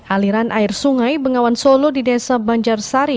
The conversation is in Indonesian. aliran air sungai bengawan solo di desa banjarsari